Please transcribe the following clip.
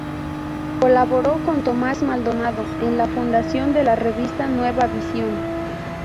Colaboró con Tomás Maldonado en la fundación de la revista Nueva Visión.